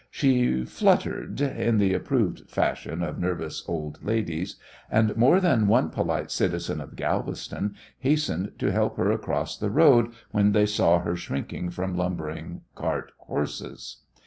She "fluttered" in the approved fashion of nervous old ladies, and more than one polite citizen of Galveston hastened to help her across the road when they saw her shrinking from lumbering cart horses.